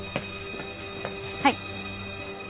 はい。